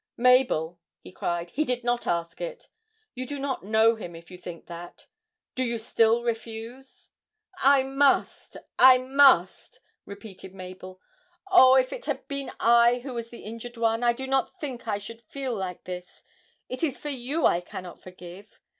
'Mabel,' he cried, 'he did not ask it you do not know him if you think that. Do you still refuse?' 'I must, I must,' repeated Mabel. 'Oh, if it had been I who was the injured one, I do not think I should feel like this; it is for you I cannot forgive.